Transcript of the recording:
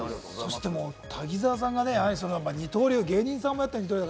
滝沢さんがね、二刀流、芸人さんもやって、いろいろ。